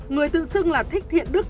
người tự xưng là thích thiện đức